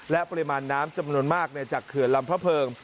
และปริมาณน้ำจำนวนมากจากเขื่อนลำพระเพิง